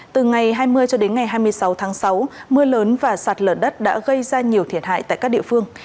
từ ngày hai mươi cho đến ngày hai mươi sáu tháng sáu mưa lớn và sạt lở đất đã gây ra nhiều thiệt hại tại các địa phương